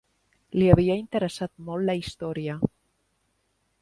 Li havia interessat molt la història.